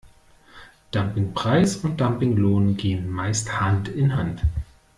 Dumpingpreis und Dumpinglohn gehen meist Hand in Hand.